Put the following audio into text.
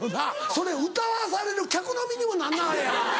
それ歌わされる客の身にもなんなはれや。